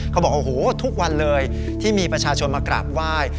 เขาบอกโอ้โหทุกวันเลยที่มีประชาชนมากราบไหว้